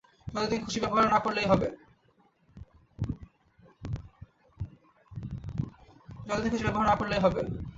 যতদিন খুশি ব্যবহার না করলেই হবে।